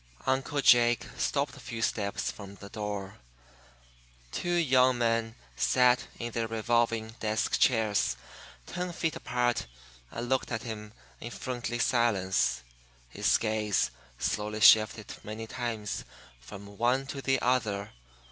Uncle Jake stopped a few steps from the door. Two young men sat in their revolving desk chairs ten feet apart and looked at him in friendly silence. His gaze slowly shifted many times from one to the other.